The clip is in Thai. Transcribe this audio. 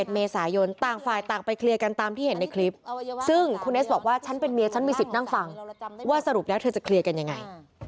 เมษายนต่างฝ่ายต่างไปเคลียร์กันตามที่เห็นในคลิปซึ่งคุณเอสบอกว่าฉันเป็นเมียฉันมีสิทธิ์นั่งฟังว่าสรุปแล้วเธอจะเคลียร์กันยังไง